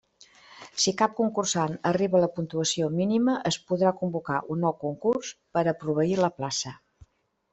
Si cap concursant arriba a la puntuació mínima, es podrà convocar un nou concurs per a proveir la plaça.